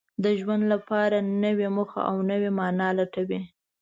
د ژوند لپاره نوې موخه او نوې مانا لټوي.